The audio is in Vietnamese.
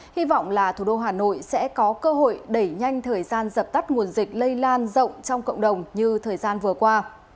hy vọng là thủ đô hà nội sẽ có cơ hội đẩy nhanh thời gian dập tắt nguồn dịch lây lan rộng trong cộng đồng như thời gian vừa qua